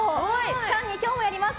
更に、今日もやります